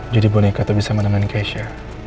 jadi boneka tak bisa menemani keisha